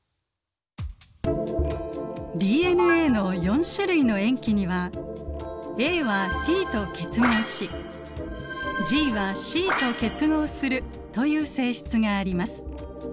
ＤＮＡの４種類の塩基にはＡはＴと結合しＧはＣと結合するという性質があります。